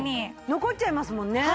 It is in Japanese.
残っちゃいますもんね。